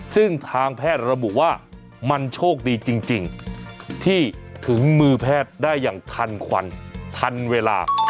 ซึ่งทางแพทย์ระบุว่ามันโชคดีจริงที่ถึงมือแพทย์ได้อย่างทันควันทันเวลา